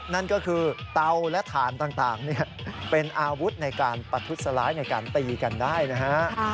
นั่นก็คือเตาและถ่านต่างเป็นอาวุธในการประทุษร้ายในการตีกันได้นะฮะ